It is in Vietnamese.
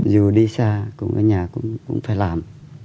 dù đi xa cũng ở nhà cũng phải làm